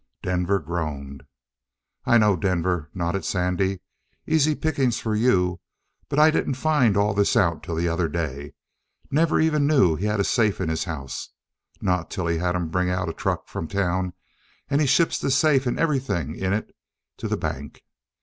Denver groaned. "I know, Denver," nodded Sandy. "Easy pickings for you; but I didn't find all this out till the other day. Never even knew he had a safe in his house. Not till he has 'em bring out a truck from town and he ships the safe and everything in it to the bank.